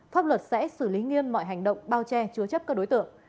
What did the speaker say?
pháp luật sẽ xử lý nghiêm mọi hành động bao che chứa chấp các đối tượng